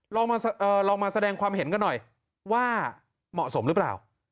ลองมาแสดงความเห็นกันหน่อยว่าเหมาะสมหรือเปล่า